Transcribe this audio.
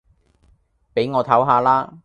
俾我唞吓啦